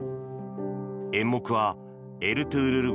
演目は「エルトゥールル号」